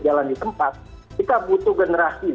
jalan di tempat kita butuh generasi